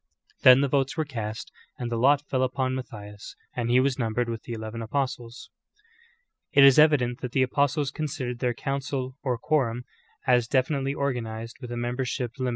Then the votes were cast "and the lot fell upon Matthias; and he was numbered with the eleven apostles." 18. It is evident that the apostles considered their council or quorum as definitely organized with a membership limit "John 21: 15 17.